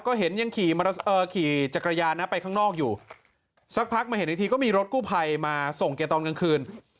ก็เห็นยังขี่จักรยานนะไปข้างนอกอยู่สักพักมาเห็นอีกทีก็มีรถกู้ภัยมาส่งแกตอนกลางคืน